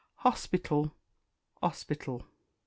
Hospital, 'Ospital.